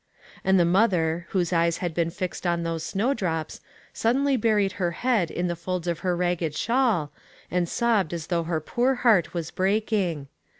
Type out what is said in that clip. And the mother, whose eyes had been fixed on those snowdrops, suddenly buried her head in the folds of her ragged shawl, and sobbed as though her poor heart was breaking.